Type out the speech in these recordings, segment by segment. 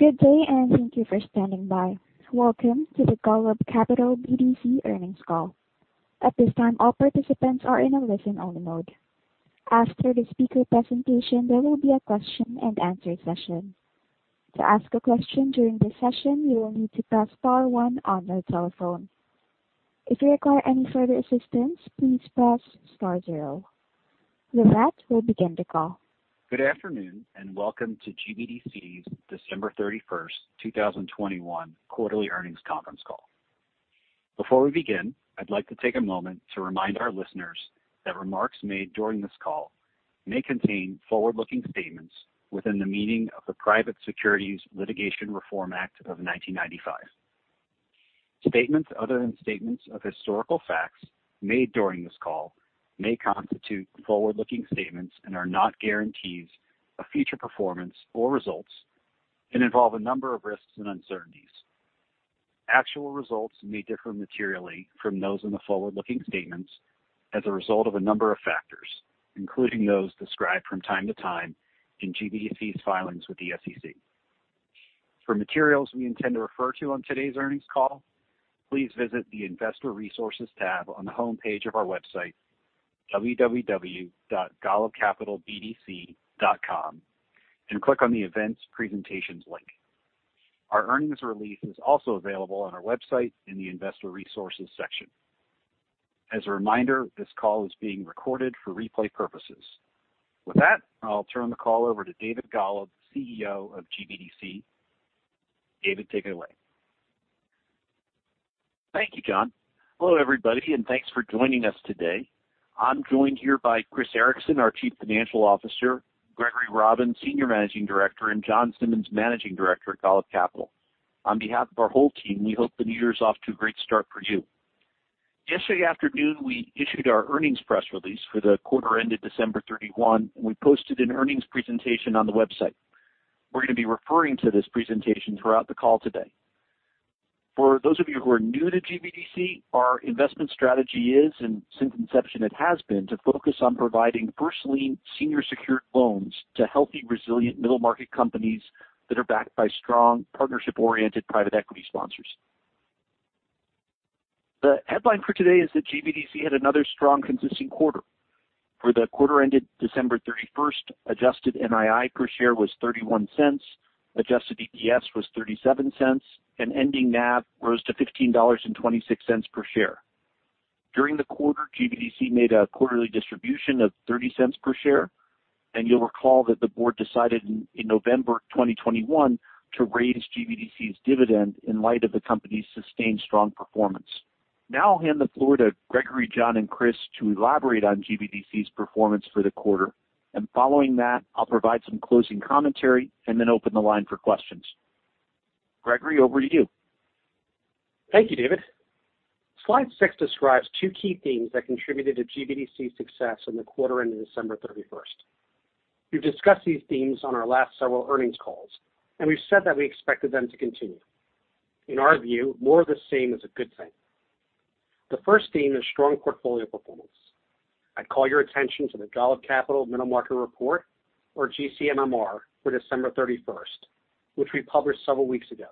Good day, and thank you for standing by. Welcome to the Golub Capital BDC earnings call. At this time, all participants are in a listen-only mode. After the speaker presentation, there will be a question and answer session. To ask a question during this session, you will need to press star one on your telephone. If you require any further assistance, please press star zero. With that, we'll begin the call. Good afternoon, and welcome to GBDC's December 31, 2021 quarterly earnings conference call. Before we begin, I'd like to take a moment to remind our listeners that remarks made during this call may contain forward-looking statements within the meaning of the Private Securities Litigation Reform Act of 1995. Statements other than statements of historical facts made during this call may constitute forward-looking statements and are not guarantees of future performance or results, and involve a number of risks and uncertainties. Actual results may differ materially from those in the forward-looking statements as a result of a number of factors, including those described from time to time in GBDC's filings with the SEC. For materials we intend to refer to on today's earnings call, please visit the Investor Resources tab on the homepage of our website, golubcapitalbdc.com, and click on the Events Presentations link. Our earnings release is also available on our website in the Investor Resources section. As a reminder, this call is being recorded for replay purposes. With that, I'll turn the call over to David Golub, CEO of GBDC. David, take it away. Thank you, Jon. Hello, everybody, and thanks for joining us today. I'm joined here by Chris Ericson, our Chief Financial Officer, Gregory Robbins, Senior Managing Director, and Jon Simmons, Managing Director at Golub Capital. On behalf of our whole team, we hope the new year is off to a great start for you. Yesterday afternoon, we issued our earnings press release for the quarter ended December 31. We posted an earnings presentation on the website. We're gonna be referring to this presentation throughout the call today. For those of you who are new to GBDC, our investment strategy is, and since inception it has been, to focus on providing first lien senior secured loans to healthy, resilient middle-market companies that are backed by strong partnership-oriented private equity sponsors. The headline for today is that GBDC had another strong consistent quarter. For the quarter ended December 31, adjusted NII per share was $0.31, adjusted EPS was $0.37, and ending NAV rose to $15.26 per share. During the quarter, GBDC made a quarterly distribution of $0.30 per share, and you'll recall that the board decided in November 2021 to raise GBDC's dividend in light of the company's sustained strong performance. Now I'll hand the floor to Gregory, Jon, and Chris to elaborate on GBDC's performance for the quarter, and following that, I'll provide some closing commentary and then open the line for questions. Gregory, over to you. Thank you, David. Slide six describes two key themes that contributed to GBDC's success in the quarter ended December 31. We've discussed these themes on our last several earnings calls, and we've said that we expected them to continue. In our view, more of the same is a good thing. The first theme is strong portfolio performance. I'd call your attention to the Golub Capital Middle Market Report, or GCMMR, for December 31, which we published several weeks ago.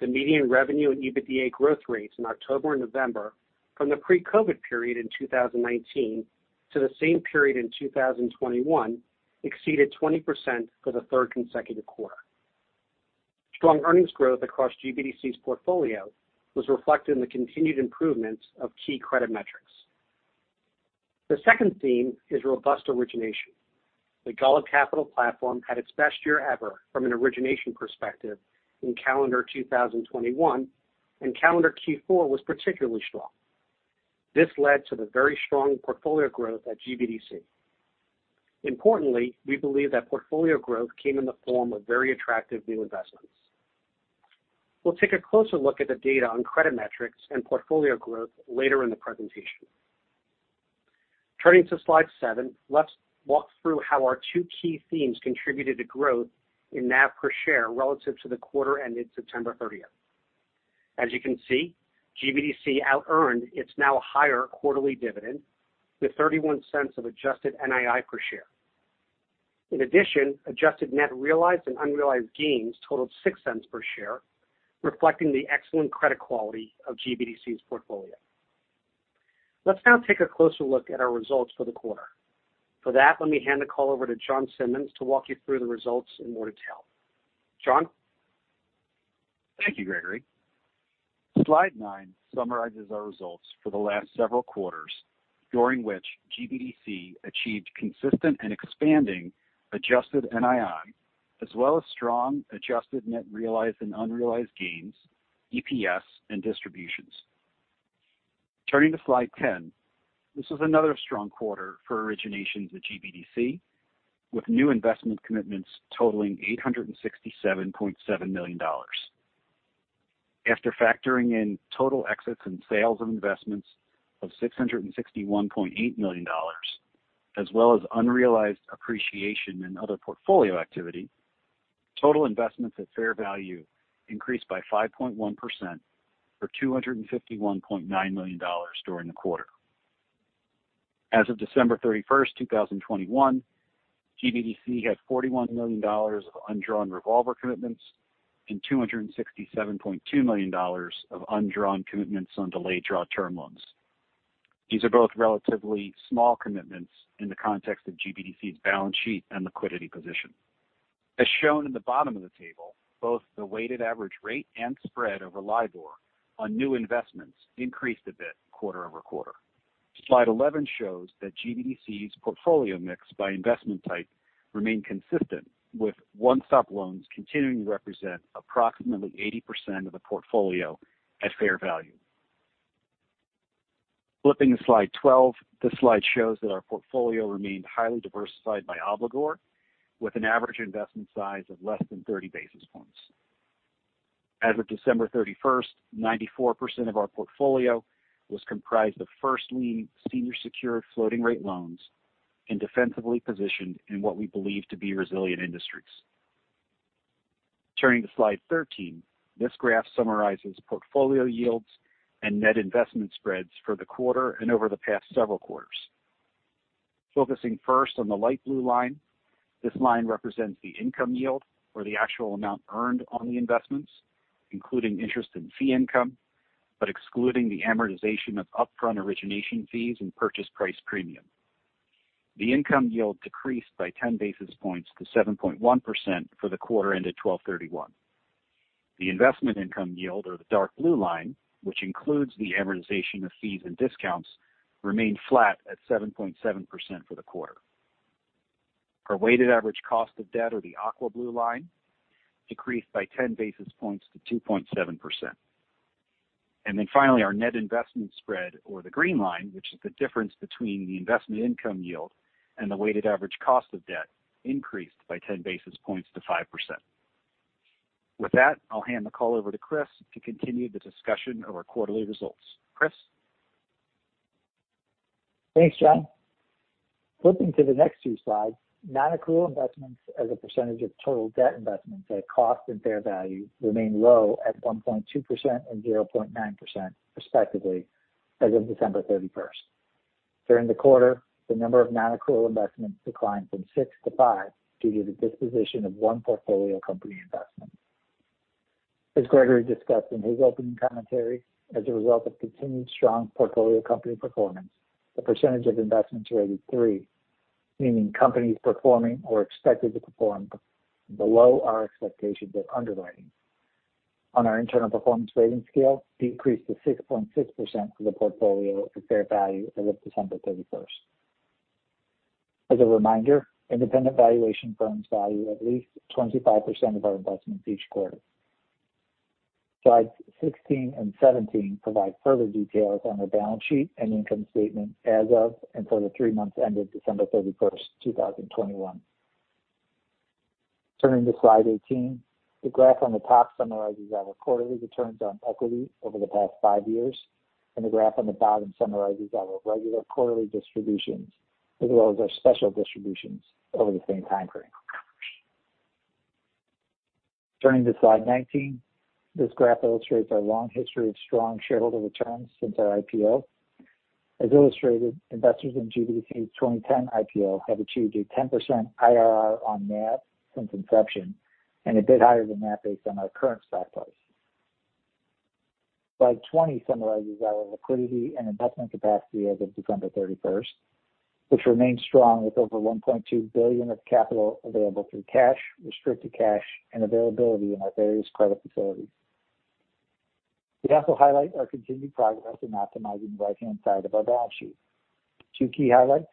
The median revenue and EBITDA growth rates in October and November from the pre-COVID period in 2019 to the same period in 2021 exceeded 20% for the third consecutive quarter. Strong earnings growth across GBDC's portfolio was reflected in the continued improvements of key credit metrics. The second theme is robust origination. The Golub Capital platform had its best year ever from an origination perspective in calendar 2021, and calendar Q4 was particularly strong. This led to the very strong portfolio growth at GBDC. Importantly, we believe that portfolio growth came in the form of very attractive new investments. We'll take a closer look at the data on credit metrics and portfolio growth later in the presentation. Turning to slide seven, let's walk through how our two key themes contributed to growth in NAV per share relative to the quarter ended September 30th. As you can see, GBDC outearned its now higher quarterly dividend with $0.31 of adjusted NII per share. In addition, adjusted net realized and unrealized gains totaled $0.06 per share, reflecting the excellent credit quality of GBDC's portfolio. Let's now take a closer look at our results for the quarter. For that, let me hand the call over to Jon Simmons to walk you through the results in more detail. Jon? Thank you, Gregory. Slide nine summarizes our results for the last several quarters, during which GBDC achieved consistent and expanding adjusted NII, as well as strong adjusted net realized and unrealized gains, EPS, and distributions. Turning to slide 10, this is another strong quarter for originations at GBDC, with new investment commitments totaling $867.7 million. After factoring in total exits and sales of investments of $661.8 million, as well as unrealized appreciation in other portfolio activity, total investments at fair value increased by 5.1% for $251.9 million during the quarter. As of December 31st, 2021, GBDC had $41 million of undrawn revolver commitments and $267.2 million of undrawn commitments on delayed draw term loans. These are both relatively small commitments in the context of GBDC's balance sheet and liquidity position. As shown in the bottom of the table, both the weighted average rate and spread over LIBOR on new investments increased a bit quarter-over-quarter. Slide eleven shows that GBDC's portfolio mix by investment type remained consistent, with One Stop loans continuing to represent approximately 80% of the portfolio at fair value. Flipping to slide 12. This slide shows that our portfolio remained highly diversified by obligor, with an average investment size of less than 30 basis points. As of December 31, 94% of our portfolio was comprised of first lien senior secured floating rate loans and defensively positioned in what we believe to be resilient industries. Turning to slide 13. This graph summarizes portfolio yields and net investment spreads for the quarter and over the past several quarters. Focusing first on the light blue line. This line represents the income yield or the actual amount earned on the investments, including interest and fee income, but excluding the amortization of upfront origination fees and purchase price premium. The income yield decreased by 10 basis points to 7.1% for the quarter ended 12/31. The investment income yield or the dark blue line, which includes the amortization of fees and discounts, remained flat at 7.7% for the quarter. Our weighted average cost of debt or the aqua blue line decreased by 10 basis points to 2.7%. Finally, our net investment spread or the green line, which is the difference between the investment income yield and the weighted average cost of debt, increased by 10 basis points to 5%. With that, I'll hand the call over to Chris to continue the discussion of our quarterly results. Chris? Thanks, Jon. Flipping to the next 2 slides. Non-accrual investments as a percentage of total debt investments at cost and fair value remained low at 1.2% and 0.9% respectively as of December 31. During the quarter, the number of non-accrual investments declined from 6 to 5 due to the disposition of one portfolio company investment. As Gregory discussed in his opening commentary, as a result of continued strong portfolio company performance, the percentage of investments rated 3, meaning companies performing or expected to perform below our expectations of underwriting on our internal performance rating scale decreased to 6.6% for the portfolio at fair value as of December 31. As a reminder, independent valuation firms value at least 25% of our investments each quarter. Slides 16 and 17 provide further details on our balance sheet and income statement as of, and for the three months ended December 31, 2021. Turning to slide 18. The graph on the top summarizes our quarterly returns on equity over the past 5 years, and the graph on the bottom summarizes our regular quarterly distributions as well as our special distributions over the same time frame. Turning to slide 19. This graph illustrates our long history of strong shareholder returns since our IPO. As illustrated, investors in GBDC's 2010 IPO have achieved a 10% IRR on that since inception, and a bit higher than that based on our current stock price. Slide 20 summarizes our liquidity and investment capacity as of December 31, which remains strong with over $1.2 billion of capital available through cash, restricted cash, and availability in our various credit facilities. We also highlight our continued progress in optimizing the right-hand side of our balance sheet. Two key highlights.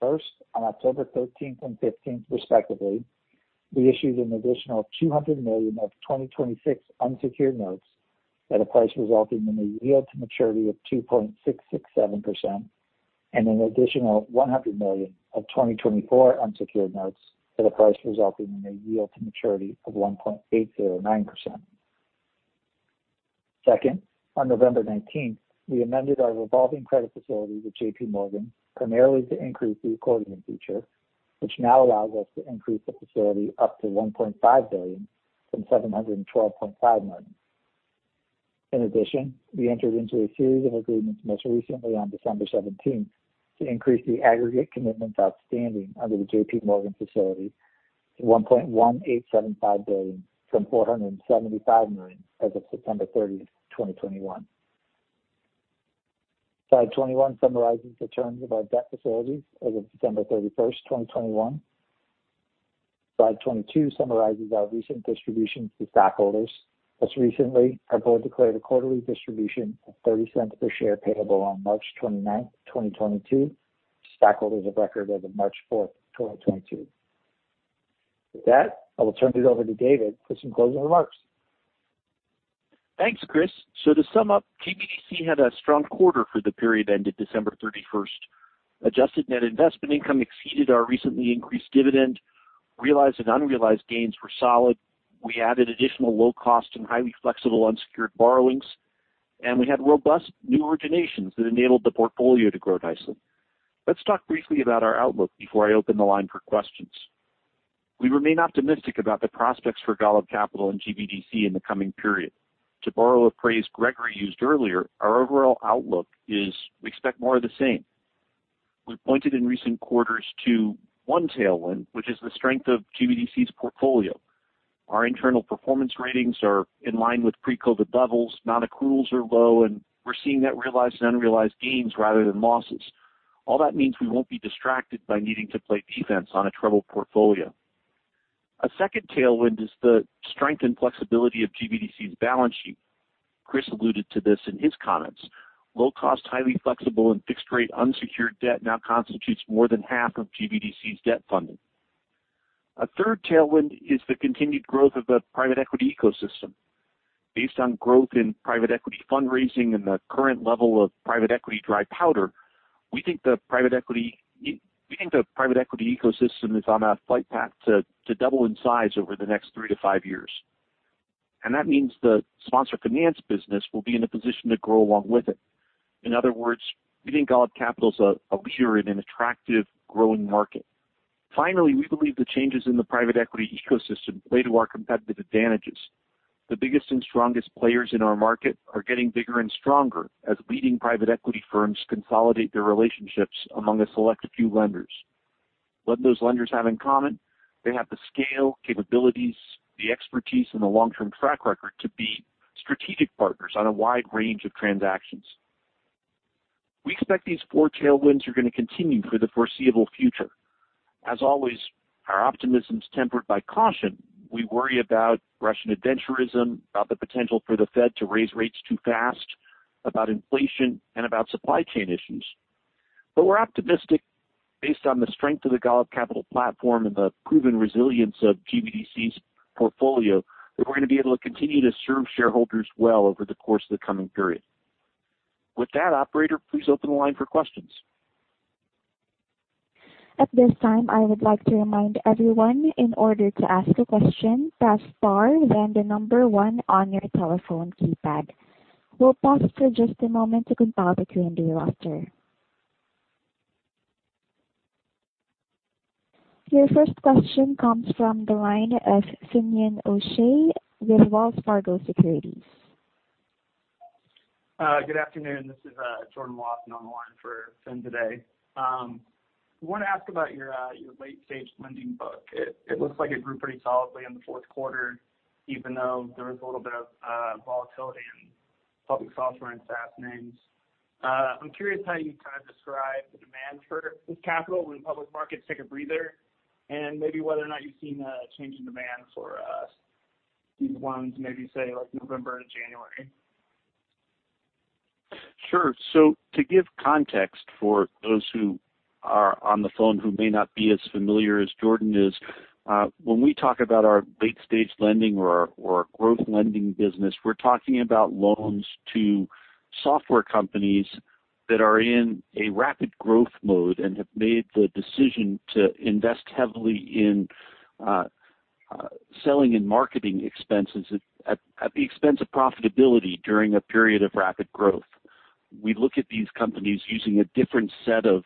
First, on October 13 and 15 respectively, we issued an additional $200 million of 2026 unsecured notes at a price resulting in a yield to maturity of 2.6667%, and an additional $100 million of 2024 unsecured notes at a price resulting in a yield to maturity of 1.809%. Second, on November 19, we amended our revolving credit facility with JPMorgan primarily to increase the accordion feature, which now allows us to increase the facility up to $1.5 billion from $712.5 million. In addition, we entered into a series of agreements, most recently on December 17, to increase the aggregate commitments outstanding under the JPMorgan facility to $1.1875 billion from $475 million as of September 30, 2021. Slide 21 summarizes the terms of our debt facilities as of December 31, 2021. Slide 22 summarizes our recent distributions to stockholders. Most recently, our board declared a quarterly distribution of $0.30 per share payable on March 29, 2022, to stockholders of record as of March 4, 2022. With that, I will turn it over to David for some closing remarks. Thanks, Chris. To sum up, GBDC had a strong quarter for the period ended December thirty-first. Adjusted net investment income exceeded our recently increased dividend. Realized and unrealized gains were solid. We added additional low cost and highly flexible unsecured borrowings, and we had robust new originations that enabled the portfolio to grow nicely. Let's talk briefly about our outlook before I open the line for questions. We remain optimistic about the prospects for Golub Capital and GBDC in the coming period. To borrow a phrase Gregory used earlier, our overall outlook is we expect more of the same. We've pointed in recent quarters to one tailwind, which is the strength of GBDC's portfolio. Our internal performance ratings are in line with pre-COVID levels. Non-accruals are low, and we're seeing net realized and unrealized gains rather than losses. All that means we won't be distracted by needing to play defense on a troubled portfolio. A second tailwind is the strength and flexibility of GBDC's balance sheet. Chris alluded to this in his comments. Low cost, highly flexible and fixed-rate unsecured debt now constitutes more than half of GBDC's debt funding. A third tailwind is the continued growth of the private equity ecosystem. Based on growth in private equity fundraising and the current level of private equity dry powder, we think the private equity ecosystem is on a flight path to double in size over the next 3-5 years. That means the sponsor finance business will be in a position to grow along with it. In other words, we think Golub Capital is a pure play in an attractive growing market. Finally, we believe the changes in the private equity ecosystem play to our competitive advantages. The biggest and strongest players in our market are getting bigger and stronger as leading private equity firms consolidate their relationships among a select few lenders. What those lenders have in common, they have the scale, capabilities, the expertise and the long-term track record to be strategic partners on a wide range of transactions. We expect these four tailwinds are gonna continue for the foreseeable future. As always, our optimism is tempered by caution. We worry about Russian adventurism, about the potential for the Fed to raise rates too fast, about inflation and about supply chain issues. We're optimistic based on the strength of the Golub Capital platform and the proven resilience of GBDC's portfolio that we're gonna be able to continue to serve shareholders well over the course of the coming period. With that, operator, please open the line for questions. At this time, I would like to remind everyone in order to ask a question, press star then the number one on your telephone keypad. We'll pause for just a moment to compile the Q&A roster. Your first question comes from the line of Finian O'Shea with Wells Fargo Securities. Good afternoon. This is Jordan Wathen on the line for Fin today. Want to ask about your late-stage lending book. It looks like it grew pretty solidly in the fourth quarter, even though there was a little bit of volatility in public software and SaaS names. I'm curious how you kind of describe the demand for this capital when public markets take a breather and maybe whether or not you've seen a change in demand for these ones, maybe say like November to January. Sure. To give context for those who are on the phone who may not be as familiar as Jordan is, when we talk about our late-stage lending or our growth lending business, we're talking about loans to software companies that are in a rapid growth mode and have made the decision to invest heavily in selling and marketing expenses at the expense of profitability during a period of rapid growth. We look at these companies using a different set of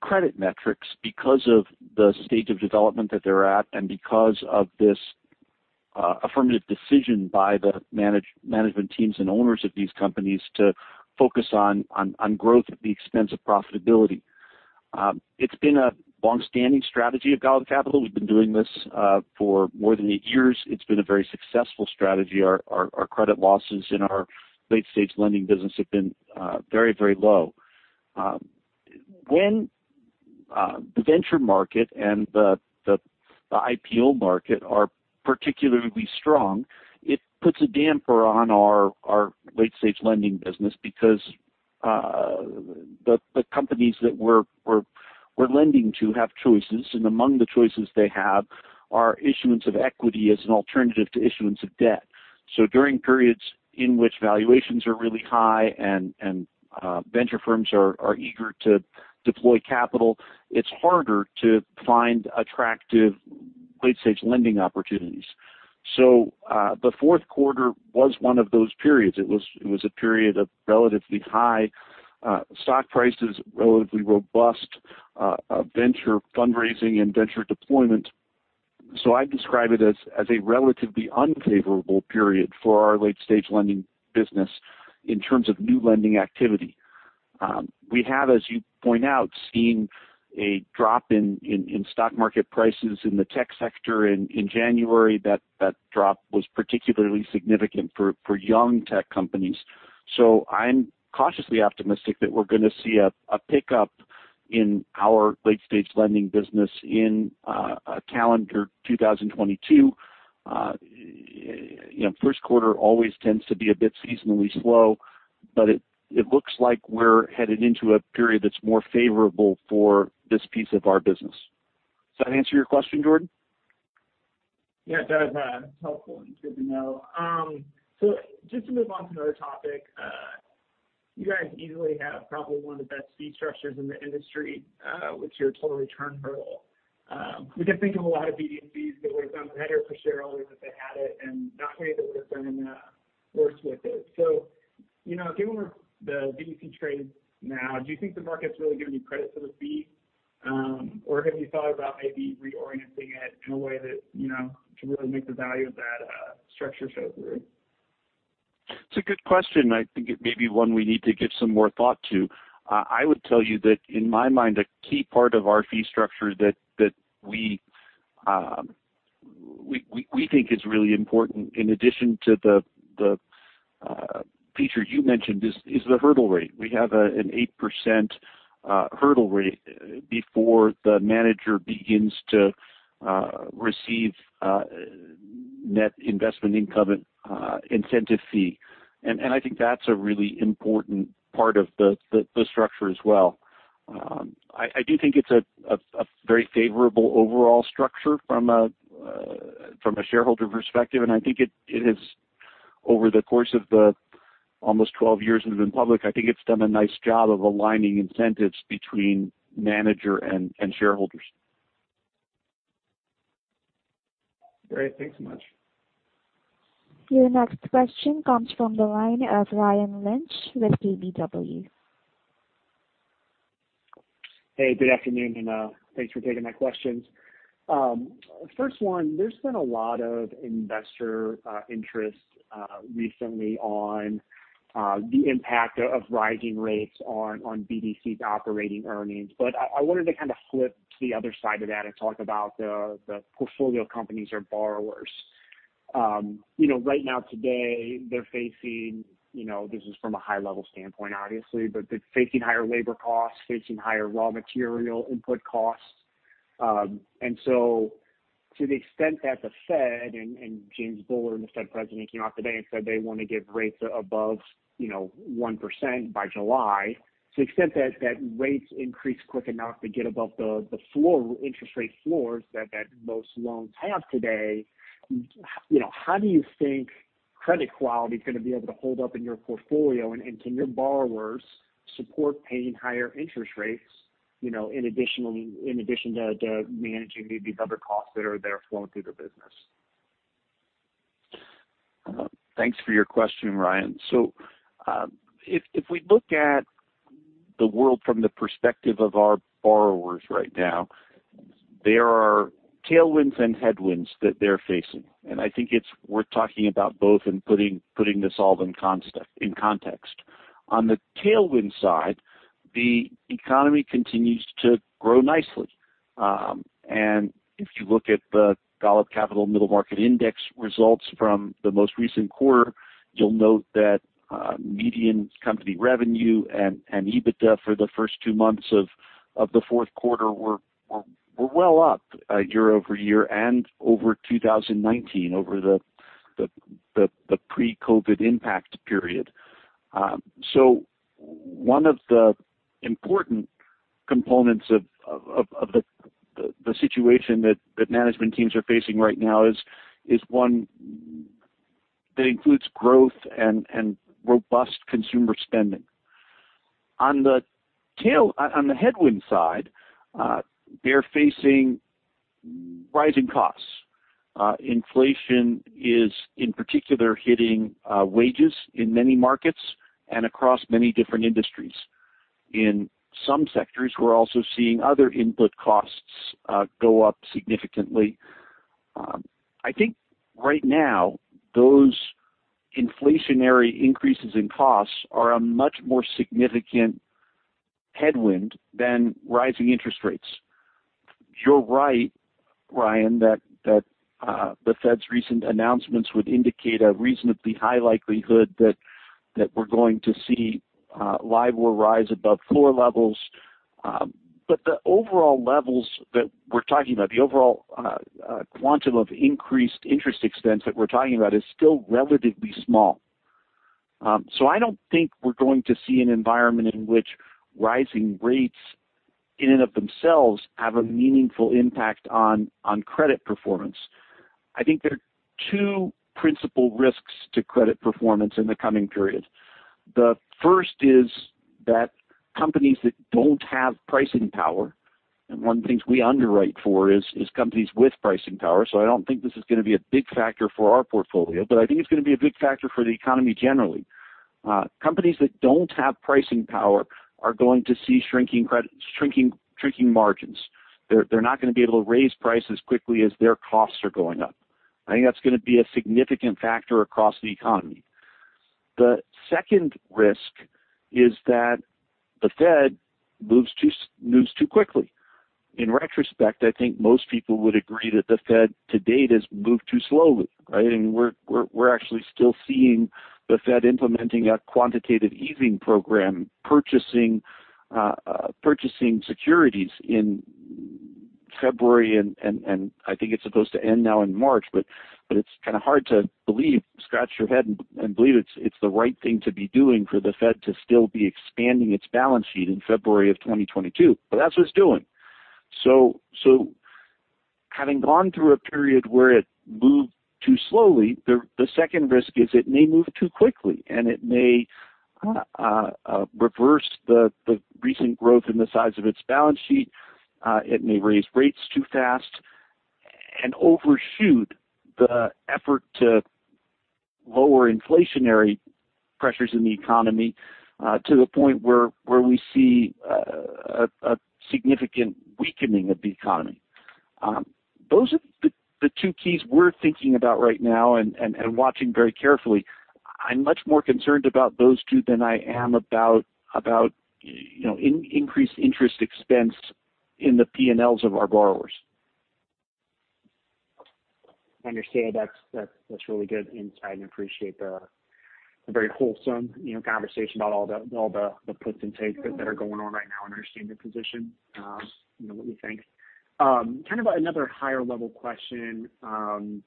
credit metrics because of the stage of development that they're at and because of this affirmative decision by the management teams and owners of these companies to focus on growth at the expense of profitability. It's been a long-standing strategy of Golub Capital. We've been doing this for more than eight years. It's been a very successful strategy. Our credit losses in our late-stage lending business have been very low. When the venture market and the IPO market are particularly strong, it puts a damper on our late-stage lending business because the companies that we're lending to have choices. Among the choices they have are issuance of equity as an alternative to issuance of debt. During periods in which valuations are really high and venture firms are eager to deploy capital, it's harder to find attractive late-stage lending opportunities. The fourth quarter was one of those periods. It was a period of relatively high stock prices, relatively robust venture fundraising and venture deployment. I describe it as a relatively unfavorable period for our late-stage lending business in terms of new lending activity. We have, as you point out, seen a drop in stock market prices in the tech sector in January. That drop was particularly significant for young tech companies. I'm cautiously optimistic that we're gonna see a pickup in our late-stage lending business in calendar 2022. You know, first quarter always tends to be a bit seasonally slow, but it looks like we're headed into a period that's more favorable for this piece of our business. Does that answer your question, Jordan? Yeah, it does. It's helpful and good to know. Just to move on to another topic. You guys easily have probably one of the best fee structures in the industry with your total return hurdle. We can think of a lot of BDCs that would have done better for shareholders if they had it and not many that would have done worse with it, given the BDC trade now, do you think the market's really given you credit for the fee? Or have you thought about maybe reorienting it in a way that, you know, to really make the value of that structure show through? It's a good question. I think it may be one we need to give some more thought to. I would tell you that in my mind, a key part of our fee structure that we think is really important in addition to the feature you mentioned is the hurdle rate. We have an 8% hurdle rate before the manager begins to receive net investment income and incentive fee. I think that's a really important part of the structure as well. I do think it's a very favorable overall structure from a shareholder perspective. I think it is over the course of the almost 12 years it's been public. I think it's done a nice job of aligning incentives between manager and shareholders. Great. Thanks so much. Your next question comes from the line of Ryan Lynch with KBW. Hey, good afternoon, and thanks for taking my questions. First one, there's been a lot of investor interest recently on the impact of rising rates on BDCs operating earnings. I wanted to kind of flip to the other side of that and talk about the portfolio companies or borrowers. Right now, today they're facing this is from a high level standpoint. Oviously, but they're facing higher labor costs and higher raw material input costs. To the extent that the Fed and James Bullard, the Fed president, came out today and said they wanna get rates above 1% by July. To the extent that rates increase quick enough to get above the floor, interest rate floors that most loans have today how do you think credit quality is gonna be able to hold up in your portfolio? Can your borrowers support paying higher interest rates, you know, in addition to managing maybe these other costs that are there flowing through the business? Thanks for your question, Ryan. If we look at the world from the perspective of our borrowers right now, there are tailwinds and headwinds that they're facing. I think we're talking about both and putting this all in context. On the tailwind side, the economy continues to grow nicely. If you look at the Golub Capital Middle Market Index results from the most recent quarter, you'll note that median company revenue and EBITDA for the first 2 months of the fourth quarter were well up year-over-year and over 2019, over the pre-COVID impact period. One of the important components of the situation that management teams are facing right now is one that includes growth and robust consumer spending. On the headwind side, they're facing rising costs. In particular, inflation is hitting wages in many markets and across many different industries. In some sectors, we're also seeing other input costs go up significantly. I think right now those inflationary increases in costs are a much more significant headwind than rising interest rates. You're right, Ryan, that the Fed's recent announcements would indicate a reasonably high likelihood that we're going to see LIBOR rise above floor levels. The overall levels that we're talking about, the quantum of increased interest expense that we're talking about is still relatively small. I don't think we're going to see an environment in which rising rates in and of themselves have a meaningful impact on credit performance. I think there are two principal risks to credit performance in the coming period. The first is that companies that don't have pricing power, and one of the things we underwrite for is companies with pricing power. I don't think this is gonna be a big factor for our portfolio, but I think it's gonna be a big factor for the economy generally. Companies that don't have pricing power are going to see shrinking margins. They're not gonna be able to raise prices quickly as their costs are going up. I think that's gonna be a significant factor across the economy. The second risk is that the Fed moves too quickly. In retrospect, I think most people would agree that the Fed to date has moved too slowly, right? We're actually still seeing the Fed implementing a quantitative easing program, purchasing securities in February, and I think it's supposed to end now in March, but it's kind of hard to believe, scratch your head and believe it's the right thing to be doing for the Fed to still be expanding its balance sheet in February of 2022. That's what it's doing. Having gone through a period where it moved too slowly, the second risk is it may move too quickly and it may reverse the recent growth in the size of its balance sheet. It may raise rates too fast and overshoot the effort to lower inflationary pressures in the economy, to the point where we see a significant weakening of the economy. Those are the two keys we're thinking about right now and watching very carefully. I'm much more concerned about those two than I am about you know, increased interest expense in the P&Ls of our borrowers. I understand. That's really good insight and appreciate the very wholesome conversation about all the puts and takes that are going on right now. I understand your position what you think. Kind of another higher level question on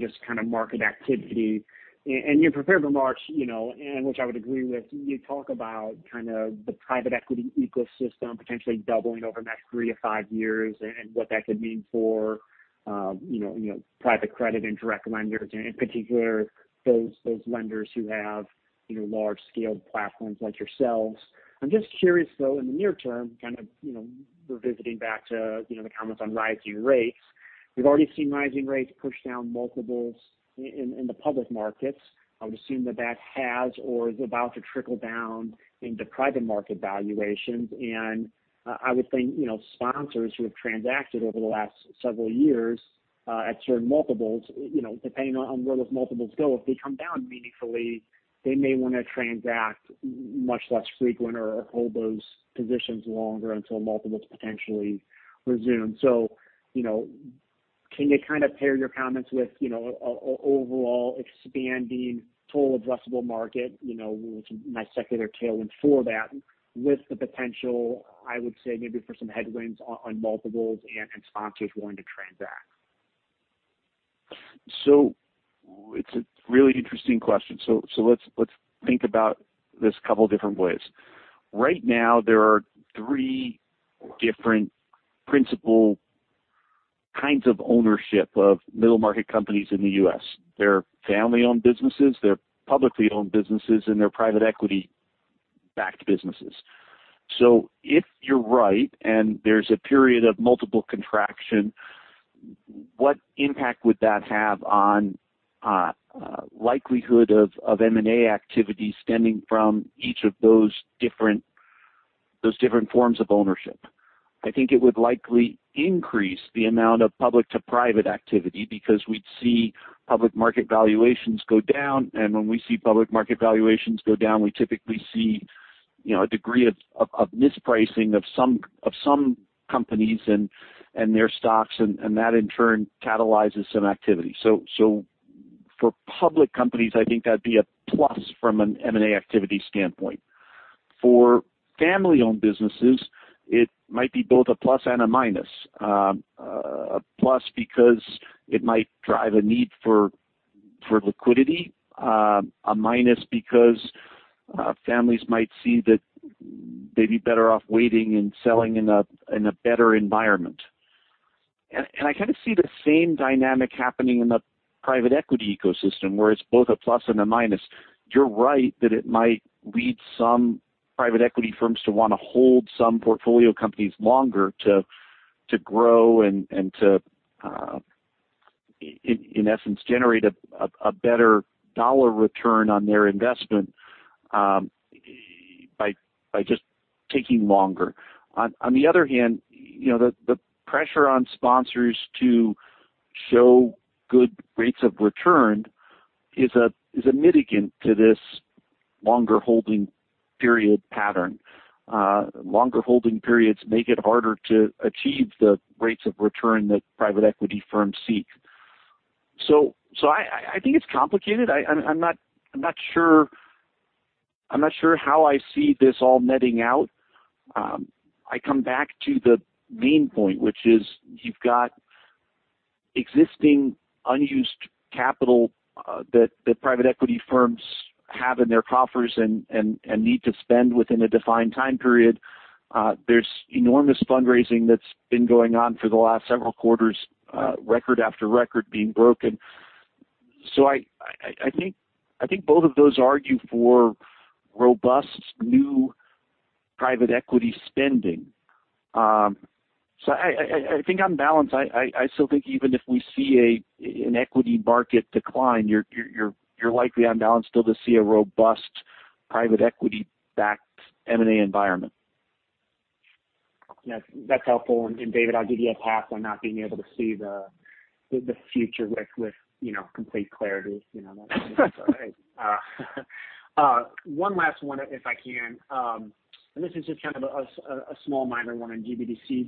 just kind of market activity. And your prepared remarks and which I would agree with. You talk about kind of the private equity ecosystem potentially doubling over the next 3 to 5 years and what that could mean for private credit and direct lenders, and in particular, those lenders who have, you know, large scaled platforms like yourselves. I'm just curious though in the near term, kind of revisiting back to the comments on rising rates. We've already seen rising rates push down multiples in the public markets. I would assume that has or is about to trickle down into private market valuations. I would think sponsors who have transacted over the last several years, at certain multiples depending on where those multiples go, if they come down meaningfully, they may wanna transact much less frequently or hold those positions longer until multiples potentially resume. Can you kind of pair your comments with overall expanding total addressable market which my secular tailwind for that, with the potential, I would say, maybe for some headwinds on multiples and sponsors willing to transact. It's a really interesting question. Let's think about this a couple different ways. Right now, there are three different principal kinds of ownership of middle market companies in the U.S. They're family-owned businesses, they're publicly owned businesses, and they're private equity-backed businesses. If you're right, and there's a period of multiple contraction, what impact would that have on the likelihood of M&A activity stemming from each of those different forms of ownership? I think it would likely increase the amount of public to private activity because we'd see public market valuations go down. When we see public market valuations go down, we typically see a degree of mispricing of some companies and their stocks, and that in turn catalyzes some activity. For public companies, I think that'd be a plus from an M&A activity standpoint. For family-owned businesses, it might be both a plus and a minus. A plus because it might drive a need for liquidity. A minus because families might see that they'd be better off waiting and selling in a better environment. I kind of see the same dynamic happening in the private equity ecosystem, where it's both a plus and a minus. You're right that it might lead some private equity firms to wanna hold some portfolio companies longer to grow and to, in essence, generate a better dollar return on their investment, by just taking longer. On the other hand, you know, the pressure on sponsors to show good rates of return is a mitigant to this longer holding period pattern. Longer holding periods make it harder to achieve the rates of return that private equity firms seek. So I think it's complicated. I'm not sure how I see this all netting out. I come back to the main point, which is you've got existing unused capital that private equity firms have in their coffers and need to spend within a defined time period. There's enormous fundraising that's been going on for the last several quarters, record after record being broken. So I think both of those argue for robust new private equity spending. I think on balance, I still think even if we see an equity market decline, you're likely on balance still to see a robust private equity-backed M&A environment. That's helpful. David, I'll give you a pass on not being able to see the future with complete clarity. You know, that's all right. One last one if I can. This is just kind of a small minor one on GBDC.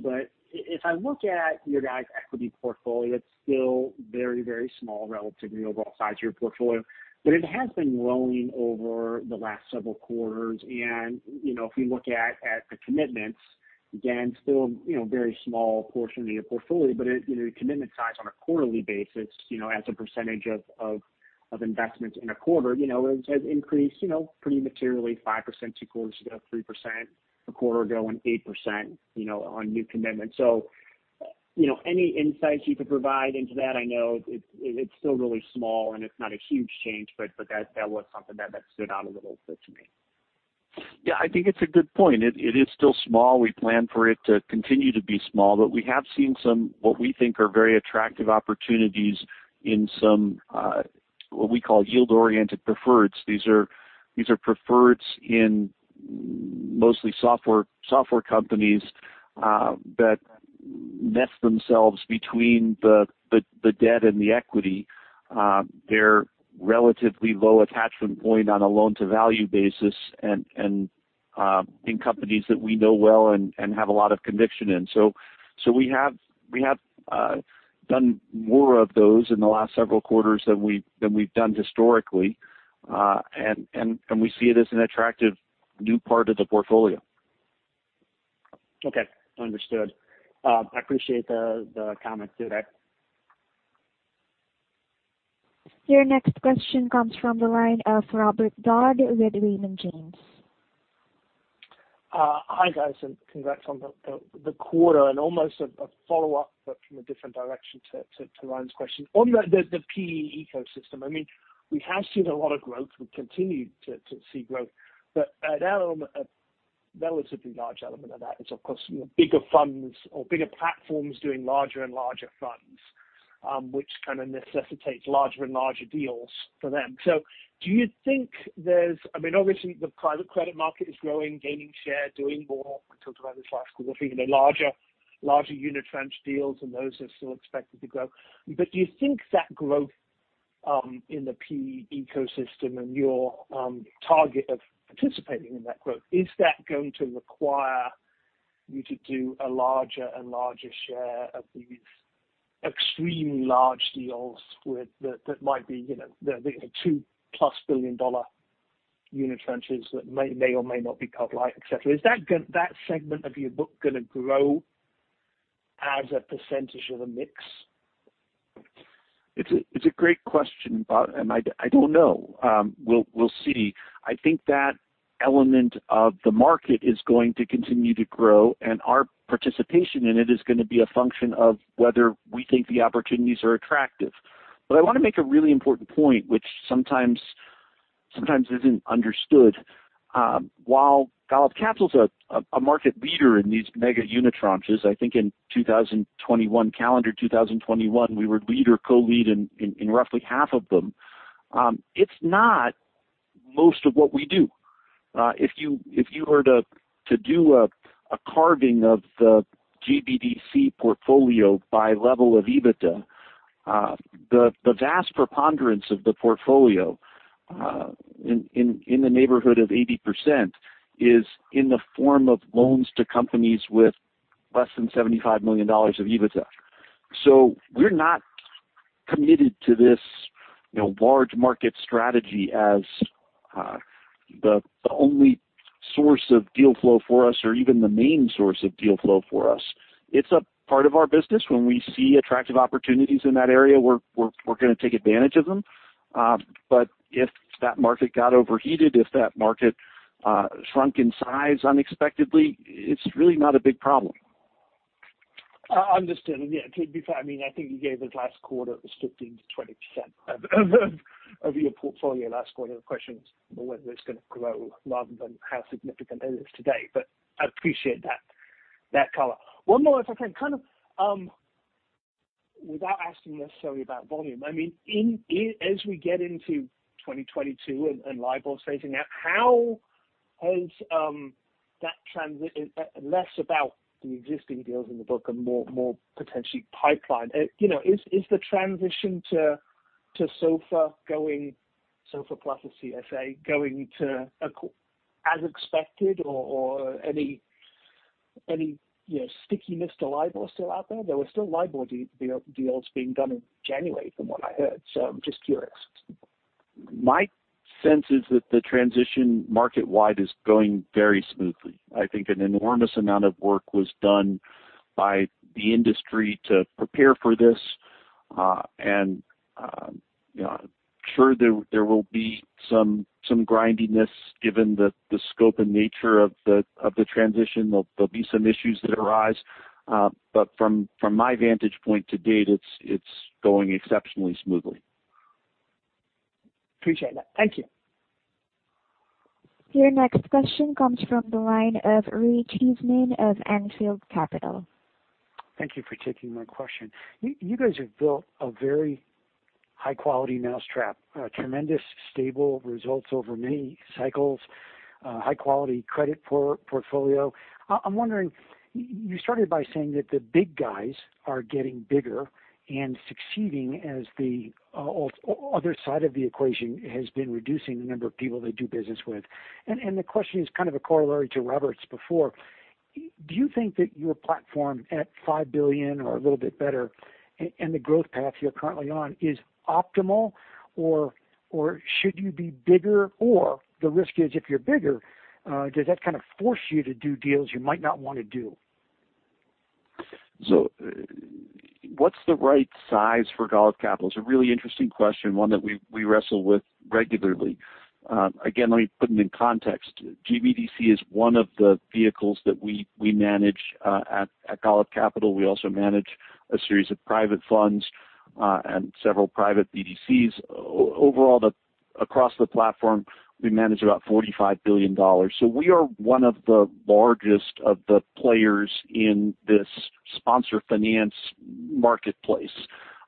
If I look at your guys' equity portfolio, it's still very small relative to the overall size of your portfolio. It has been growing over the last several quarters. If we look at the commitments, again, still very small portion of your portfolio. It commitment size on a quarterly basis as a percentage of investments in a quarter it has increased pretty materially, 5% two quarters ago, 3% a quarter ago, and 8% on new commitments. Any insights you could provide into that? I know it's still really small, and it's not a huge change, but that was something that stood out a little bit to me. Yeah, I think it's a good point. It is still small. We plan for it to continue to be small. We have seen some, what we think are very attractive opportunities in some, what we call yield-oriented preferreds. These are preferreds in mostly software companies that nest themselves between the debt and the equity. They're relatively low attachment point on a loan-to-value basis and in companies that we know well and have a lot of conviction in. We have done more of those in the last several quarters than we've done historically. We see it as an attractive new part of the portfolio. Okay. Understood. I appreciate the comments today. Your next question comes from the line of Robert Dodd with Raymond James. Hi, guys, and congrats on the quarter. Almost a follow-up but from a different direction to Ryan's question. On the PE ecosystem, I mean, we have seen a lot of growth. We continue to see growth. A relatively large element of that is, of course, you know, bigger funds or bigger platforms doing larger and larger funds, which kinda necessitates larger and larger deals for them. Do you think there's, I mean, obviously the private credit market is growing, gaining share, doing more. We talked about this last quarter larger unitranche deals, and those are still expected to grow. Do you think that growth in the PE ecosystem and your target of participating in that growth is that going to require you to do a larger and larger share of these extremely large deals with that that might be the two-plus billion dollar unitranches that may or may not be covenant-lite et cetera? Is that that segment of your book gonna grow as a percentage of the mix? It's a great question, Rob, and I don't know. We'll see. I think that element of the market is going to continue to grow, and our participation in it is gonna be a function of whether we think the opportunities are attractive. I wanna make a really important point, which sometimes isn't understood. While Golub Capital's a market leader in these mega unitranches, I think in 2021, calendar 2021, we were leader, co-lead in roughly half of them. It's not most of what we do. If you were to do a carving of the GBDC portfolio by level of EBITDA, the vast preponderance of the portfolio, in the neighborhood of 80% is in the form of loans to companies with less than $75 million of EBITDA. We're not committed to this, you know, large market strategy as the only source of deal flow for us or even the main source of deal flow for us. It's a part of our business. When we see attractive opportunities in that area, we're gonna take advantage of them. If that market got overheated, shrunk in size unexpectedly, it's really not a big problem. Understood. Yeah, I mean, I think you gave us last quarter, it was 15%-20% of your portfolio last quarter. The question is whether it's gonna grow rather than how significant it is today. I appreciate that color. One more, if I can, kind of, without asking necessarily about volume, I mean, as we get into 2022 and LIBOR phasing out, how has that transition and less about the existing deals in the book and more potentially pipeline is the transition to SOFR going, SOFR plus a CSA, as expected or any stickiness to LIBOR still out there? There were still LIBOR deals being done in January from what I heard. I'm just curious. My sense is that the transition market-wide is going very smoothly. I think an enormous amount of work was done by the industry to prepare for this. I'm sure there will be some grindiness given the scope and nature of the transition. There'll be some issues that arise. From my vantage point to date, it's going exceptionally smoothly. Appreciate that. Thank you. Your next question comes from the line of Ray Cheesman of Anfield Capital. Thank you for taking my question. You guys have built a very high-quality mousetrap, tremendous stable results over many cycles, high-quality credit portfolio. I'm wondering, you started by saying that the big guys are getting bigger and succeeding as the other side of the equation has been reducing the number of people they do business with. The question is kind of a corollary to Robert's before. Do you think that your platform at $5 billion or a little bit better and the growth path you're currently on is optimal, or should you be bigger? Or the risk is if you're bigger, does that kinda force you to do deals you might not wanna do? What's the right size for Golub Capital? It's a really interesting question, one that we wrestle with regularly. Again, let me put it in context. GBDC is one of the vehicles that we manage at Golub Capital. We also manage a series of private funds and several private BDCs. Overall, across the platform, we manage about $45 billion. We are one of the largest of the players in this sponsor finance marketplace.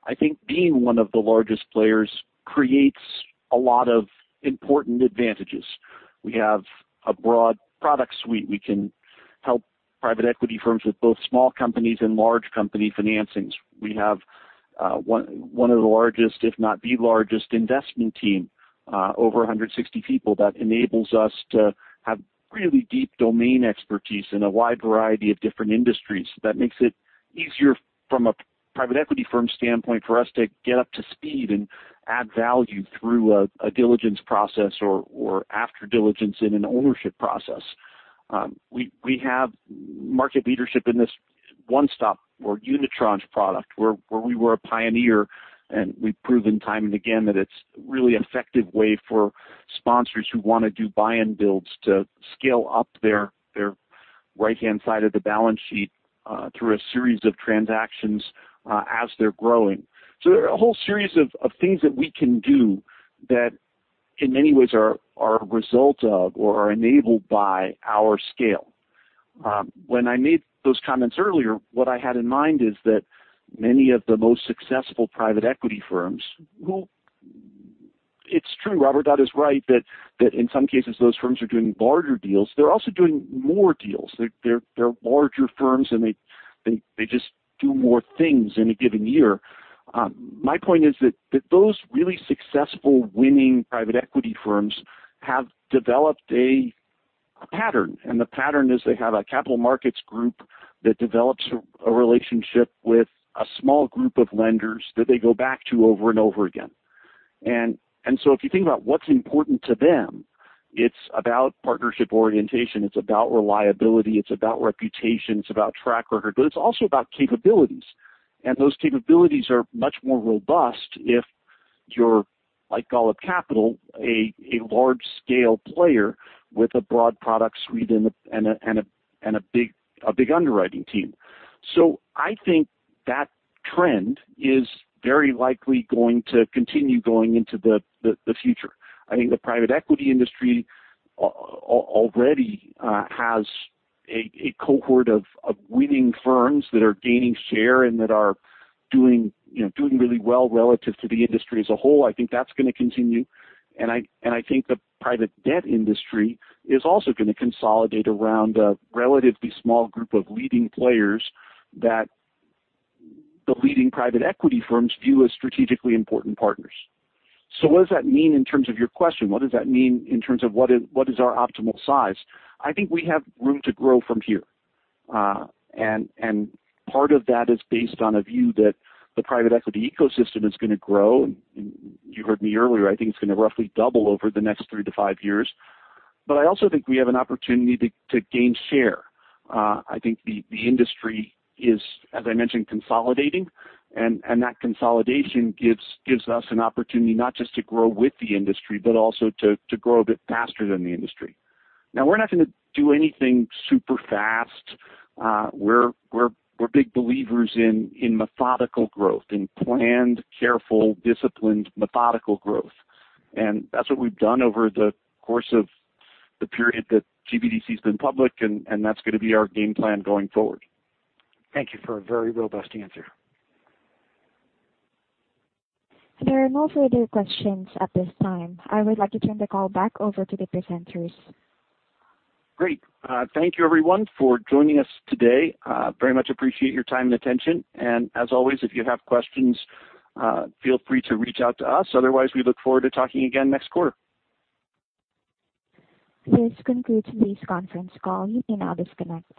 I think being one of the largest players creates a lot of important advantages. We have a broad product suite. We can help private equity firms with both small companies and large company financings. We have one of the largest, if not the largest investment team over 160 people that enables us to have really deep domain expertise in a wide variety of different industries. That makes it easier from a private equity firm standpoint for us to get up to speed and add value through a diligence process or after diligence in an ownership process. We have market leadership in this one stop or unitranche product where we were a pioneer, and we've proven time and again that it's a really effective way for sponsors who wanna do buy and builds to scale up their right-hand side of the balance sheet through a series of transactions as they're growing. There are a whole series of things that we can do that in many ways are a result of or are enabled by our scale. When I made those comments earlier, what I had in mind is that many of the most successful private equity firms. It's true, Robert, that is right that in some cases those firms are doing larger deals. They're also doing more deals. They're larger firms, and they just do more things in a given year. My point is that those really successful winning private equity firms have developed a pattern. The pattern is they have a capital markets group that develops a relationship with a small group of lenders that they go back to over and over again. If you think about what's important to them, it's about partnership orientation, it's about reliability, it's about reputation, it's about track record, but it's also about capabilities. Those capabilities are much more robust if you're, like Golub Capital, a large scale player with a broad product suite and a big underwriting team. I think that trend is very likely going to continue going into the future. I think the private equity industry already has a cohort of winning firms that are gaining share and that are doing really well relative to the industry as a whole. I think that's gonna continue. I think the private debt industry is also gonna consolidate around a relatively small group of leading players that the leading private equity firms view as strategically important partners. What does that mean in terms of your question? What does that mean in terms of what is our optimal size? I think we have room to grow from here. Part of that is based on a view that the private equity ecosystem is gonna grow. You heard me earlier, I think it's gonna roughly double over the next three to five years. I also think we have an opportunity to gain share. I think the industry is, as I mentioned, consolidating. That consolidation gives us an opportunity not just to grow with the industry but also to grow a bit faster than the industry. Now, we're not gonna do anything super fast. We're big believers in methodical growth, in planned, careful, disciplined, methodical growth. That's what we've done over the course of the period that GBDC's been public, and that's gonna be our game plan going forward. Thank you for a very robust answer. There are no further questions at this time. I would like to turn the call back over to the presenters. Great. Thank you everyone for joining us today. We very much appreciate your time and attention. As always, if you have questions, feel free to reach out to us. Otherwise, we look forward to talking again next quarter. This concludes this conference call. You may now disconnect.